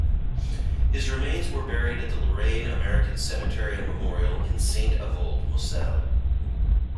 His remains were buried at the Lorraine American Cemetery and Memorial in Saint-Avold, Moselle.